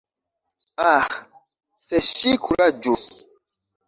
Aĥ, se ŝi kuraĝus!